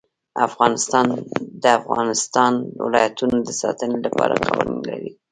افغانستان د د افغانستان ولايتونه د ساتنې لپاره قوانین لري.